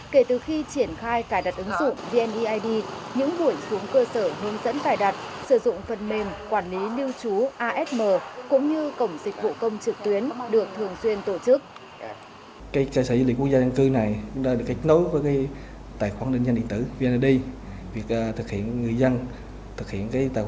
kể từ khi triển khai tài đặt ứng dụng vneid những buổi xuống cơ sở hướng dẫn tài đặt